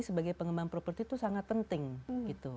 sebagai pengembang properti itu sangat penting gitu